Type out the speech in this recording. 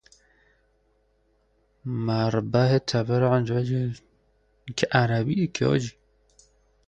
مربه طبعرق النساء